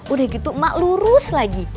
udah gitu emak lurus lagi